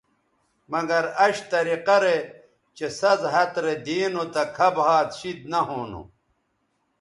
مگر اش طریقہ رے چہء سَز ھَت رے دی نو تہ کھب ھَات شید نہ ھونو